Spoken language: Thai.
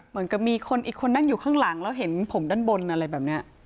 เหมือนกับมีคนอีกคนนั่งอยู่ข้างหลังแล้วเห็นผมด้านบนอะไรแบบนี้